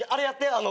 あの。